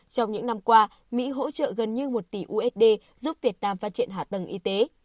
trong những năm qua mỹ hỗ trợ gần như một tỷ usd giúp việt nam phát triển hạ tầng y tế